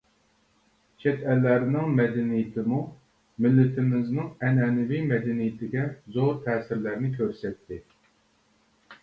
چەت ئەللەرنىڭ مەدەنىيىتىمۇ مىللىتىمىزنىڭ ئەنئەنىۋى مەدەنىيىتىگە زور تەسىرلەرنى كۆرسەتتى.